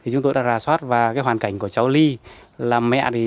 chúng tôi đã rà soát và hoàn cảnh của cháu ly là mẹ